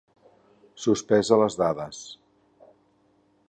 Sospesa les dades.